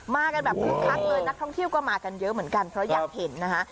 มากันแบบคึกคักเลยนักท่องเที่ยวก็มากันเยอะเหมือนกันเพราะอยากเห็นนะคะ